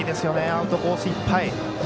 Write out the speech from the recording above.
アウトコースいっぱい。